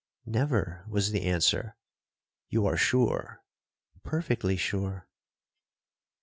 'Never,' was the answer.—'You are sure?'—'Perfectly sure.'